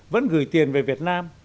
vẫn gửi tiền về việt nam